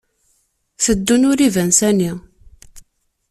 Teddun ur iban sani.